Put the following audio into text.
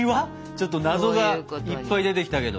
ちょっと謎がいっぱい出てきたけど。